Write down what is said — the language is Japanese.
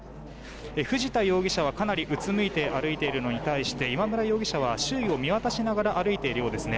藤田容疑者は、かなりうつむいて歩いているのに対して今村容疑者は周囲を見渡しながら歩いているようですね。